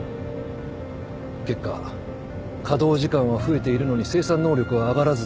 結果稼働時間は増えているのに生産能力は上がらずだ。